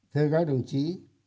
thưa các đồng chí